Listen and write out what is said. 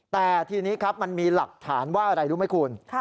แต่ทีนี้ครับมันมีหลักฐานว่าอะไรรู้ไหมคุณ